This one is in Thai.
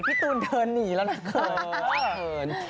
พี่ตูนเดินหนีแล้วนะเขิน